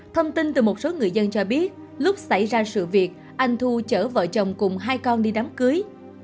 thông tin từ một số người dân cho biết lúc xảy ra sự việc anh thu chở vợ chồng cùng hai con đi đám cưới